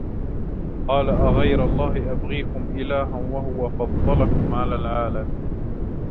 قَالَ أَغَيْرَ اللَّهِ أَبْغِيكُمْ إِلَهًا وَهُوَ فَضَّلَكُمْ عَلَى الْعَالَمِينَ